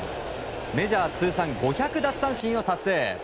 メジャー通算５００奪三振を達成。